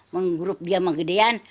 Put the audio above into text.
menggrup dia menggedean